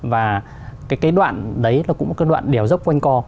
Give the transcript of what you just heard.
và cái đoạn đấy là cũng một cái đoạn đèo dốc quanh co